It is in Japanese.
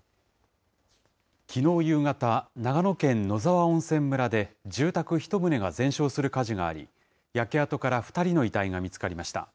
きのう夕方、長野県野沢温泉村で住宅１棟が全焼する火事があり、焼け跡から２人の遺体が見つかりました。